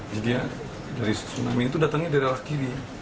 jadi ya dari tsunami itu datangnya dari arah kiri